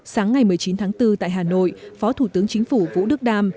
sáng ngày một mươi chín tháng bốn tại hà nội phó thủ tướng chính phủ vũ đức đam